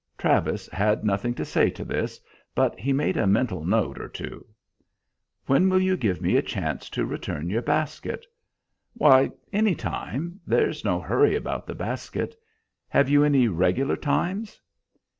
Travis had nothing to say to this, but he made a mental note or two. "When will you give me a chance to return your basket?" "Why, anytime; there's no hurry about the basket. Have you any regular times?"